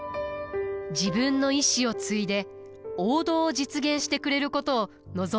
自分の意志を継いで王道を実現してくれることを望んでいたのです。